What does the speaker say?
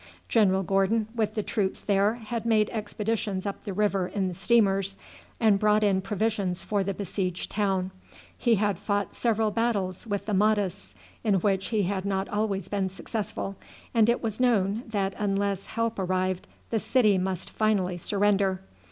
General Gordon with the troops there had made expeditions up the river in the steamers, and brought in provisions for the besieged town; he had fought several battles with the Mahdists, in which he had not always been successful, and it was known that unless help arrived the city must finally surrender.